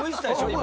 今。